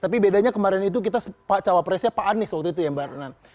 tapi bedanya kemarin itu kita cawapresnya pak anies waktu itu ya mbak renan